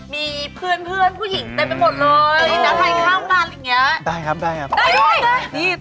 มีเพื่อนผู้หญิงเต็มไปหมดเลย